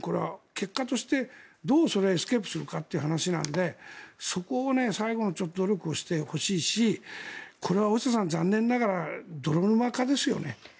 結果として、どう、それをエスケープするかという話なのでそこを最後の努力をしてほしいしこれは大下さん、残念ながら泥沼化ですよね。